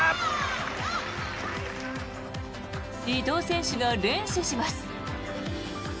伊藤選手が連取します。